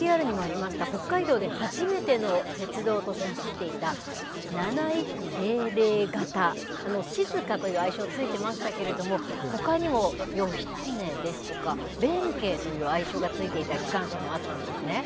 北海道で初めての鉄道として走っていた７１００形しづかという愛称付いてましたけれどもほかにも義経ですとか弁慶という愛称が付いていた機関車もあったんですね。